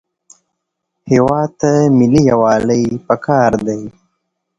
هېواد ته ملي یووالی پکار دی